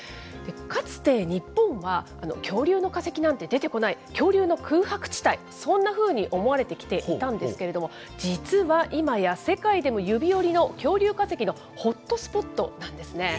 かつて日本は、恐竜の化石なんて出てこない、恐竜の空白地帯、そんなふうに思われてきていたんですけれども、実は、今や世界でも指折りの恐竜化石のホットスポットなんですね。